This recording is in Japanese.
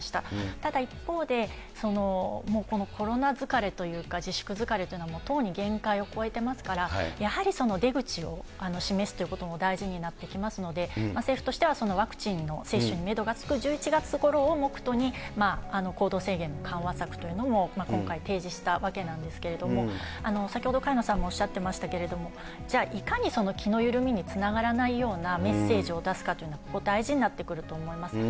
ただ、一方でもうこのコロナ疲れというか、自粛疲れというのはとうに限界を超えてますから、やはり出口を示すということも大事になってきますので、政府としてはワクチンの接種にメドがつく１１月ごろを目途に、行動制限の緩和を今回、提示したわけなんですけれども、先ほど、萱野さんもおっしゃっていましたけれども、じゃあ、いかに気の緩みにつながらないようなメッセージを出すかというのは、ここ、大事になってくると思います。